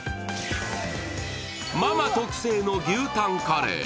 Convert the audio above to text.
ママ特製の牛タンカレー。